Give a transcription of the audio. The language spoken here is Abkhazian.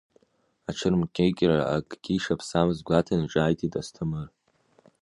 Аҽырмкьыкьра акгьы ишаԥсамыз гәаҭаны ҿааиҭит Асҭамыр.